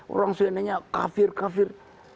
orang selainnya kafir kafir